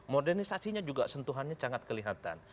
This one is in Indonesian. modernisasinya juga sentuhannya sangat kelihatan